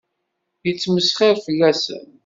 Yettmesxiṛ fell-asen.